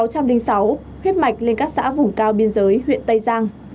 huyết mạch lên các xã vùng cao biên giới huyện tây giang